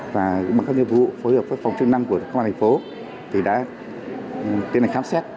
và bằng các nhiệm vụ phối hợp với phòng chức năm của các bà nội phố thì đã tên này khám xét